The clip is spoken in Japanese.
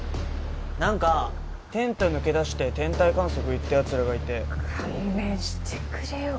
何かテント抜け出して天体観測行ったヤツらがいて勘弁してくれよ